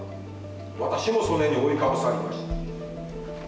私もそれに覆いかぶさりました。